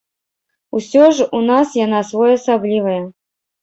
Усё ж у нас яна своеасаблівая.